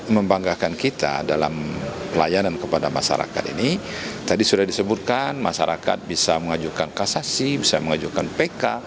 masyarakat bisa mengajukan kasasi bisa mengajukan pk